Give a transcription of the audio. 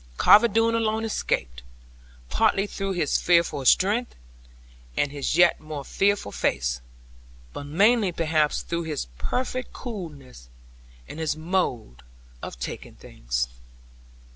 Carver Doone alone escaped. Partly through his fearful strength, and his yet more fearful face; but mainly perhaps through his perfect coolness, and his mode of taking things.